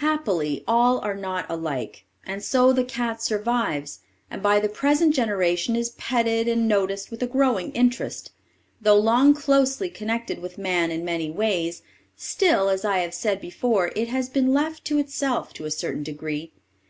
Happily all are not alike, and so the cat survives, and by the present generation is petted and noticed with a growing interest. Though long closely connected with man in many ways, still, as I have before said, it has been left to itself to a certain degree.